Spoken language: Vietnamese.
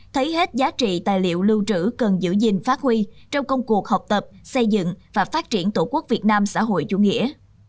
thấy hết giá trị tài liệu lưu trữ cần giữ gìn phát huy trong công cuộc học tập xây dựng và phát triển tổ quốc việt nam xã hội chủ nghĩa